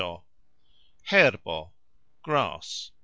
herbo : grass.